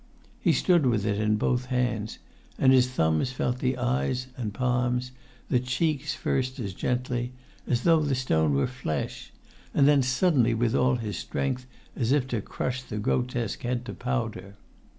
He stood with it in both hands, and his thumbs felt the eyes and his palms the cheeks, at first as gently as though the stone were flesh, then suddenly with all his strength, as if to crush the grotesque head to powder.